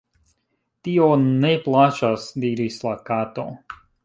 "Tio ne_ plaĉas," diris la Kato.